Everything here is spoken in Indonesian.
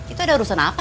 itu ada urusan apa